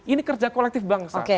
ini kerja kolektif bangsa